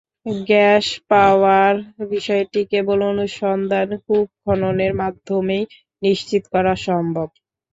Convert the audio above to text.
Gas পাওয়ার বিষয়টি কেবল অনুসন্ধান কূপ খননের মাধ্যমেই নিশ্চিত করা সম্ভব।